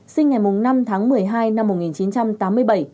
sinh ngày năm tháng một mươi hai năm một nghìn chín trăm tám mươi bảy